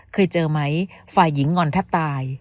เคยเจอไหมฝ่ายหญิงงอนแทบตาย